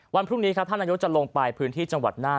วันพรุ่งนี้ครับท่านนายกจะลงไปพื้นที่จังหวัดน่าน